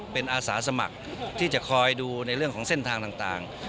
เป็นอาสาสมัครที่จะคอยดูในเรื่องของเส้นทางต่าง